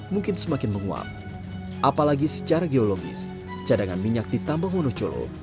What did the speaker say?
mungkin semakin menguap apalagi secara geologis cadangan minyak di tambang wonocolo